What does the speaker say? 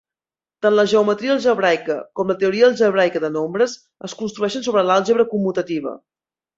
Tant la geometria algebraica com la teoria algebraica de nombres es construeixen sobre l'àlgebra commutativa.